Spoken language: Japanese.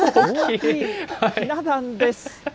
ひな壇です。